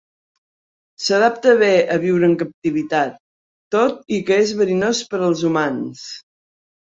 S'adapta bé a viure en captivitat, tot i que és verinós per als humans.